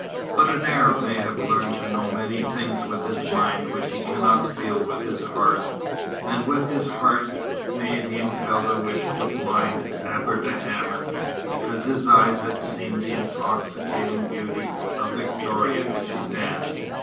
But an Arab may have learned to know many things with his mind which he cannot feel with his heart; and with his heart Maïeddine felt a wish to blind Abderrhaman, because his eyes had seen the intoxicating beauty of Victoria as she danced.